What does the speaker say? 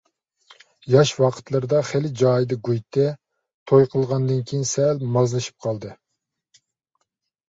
ياش ۋاقىتلىرىدا خېلى جايىدا گۇيتى، توي قىلغاندىن كېيىن سەل مازلىشىپ قالدى.